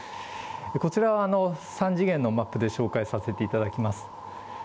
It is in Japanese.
こちらは、３次元のマップで紹介させていただきます。